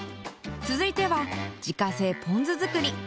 続いては自家製ポン酢作り。